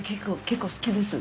結構好きです。